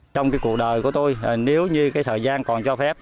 trong cái cuộc đời của tôi nếu như cái thời gian còn cho phép